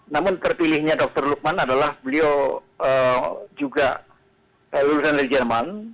namun terpilihnya dr lukman adalah beliau juga lulusan dari jerman